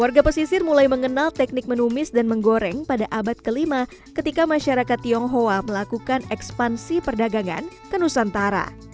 warga pesisir mulai mengenal teknik menumis dan menggoreng pada abad kelima ketika masyarakat tionghoa melakukan ekspansi perdagangan ke nusantara